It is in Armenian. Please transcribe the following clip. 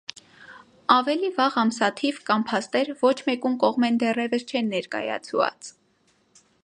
Աւելի վաղ ամսաթիւ կամ փաստեր ոչ մէկուն կողմէն դեռեւս չեն ներկայացուած։